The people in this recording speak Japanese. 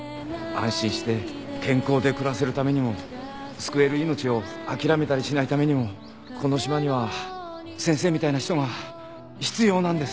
安心して健康で暮らせるためにも救える命をあきらめたりしないためにもこの島には先生みたいな人が必要なんです。